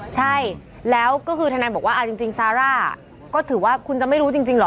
ใช่แล้วก็คือทนายบอกว่าเอาจริงซาร่าก็ถือว่าคุณจะไม่รู้จริงเหรอ